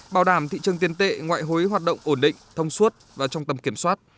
bảo đảm thị trường tiền tệ ngoại hối hoạt động ổn định thông suốt và trong tầm kiểm soát